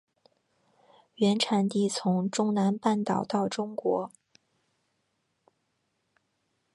原产地从中南半岛到中国。